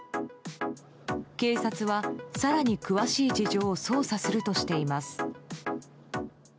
警察は更に詳しい事情を捜査するとしています。